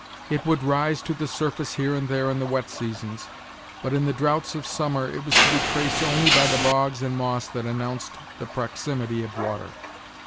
It would rise to the surface, here and there, in the wet seasons, but in the droughts of summer it was to be traced only by the bogs and moss that announced the proximity of water.